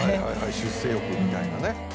出世欲みたいなね。